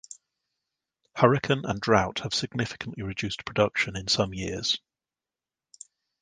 Hurricane and drought have significantly reduced production in some years.